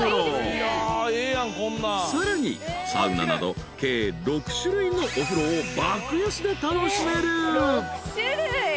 ［さらにサウナなど計６種類のお風呂を爆安で楽しめる］